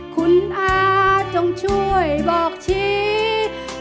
คุณอาจต้องช่วยบอกชีวิต